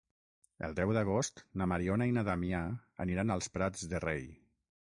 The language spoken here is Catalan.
El deu d'agost na Mariona i na Damià aniran als Prats de Rei.